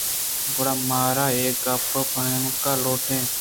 گُڑا مارا اے گَپ پھمگ لوٹ ایت